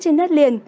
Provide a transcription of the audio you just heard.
trên đất liền